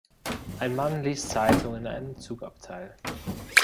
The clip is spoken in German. Ein Mann liest Zeitung in einem Zugabteil.